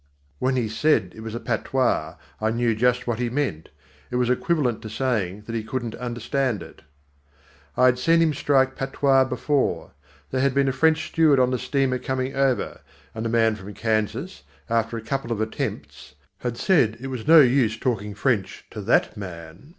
When he said it was a patois, I knew just what he meant. It was equivalent to saying that he couldn't understand it. I had seen him strike patois before. There had been a French steward on the steamer coming over, and the man from Kansas, after a couple of attempts, had said it was no use talking French to that man.